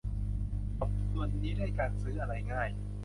จบวันนี้ด้วยการซื้ออะไรง่าย